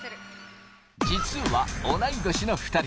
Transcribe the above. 実は同い年の２人。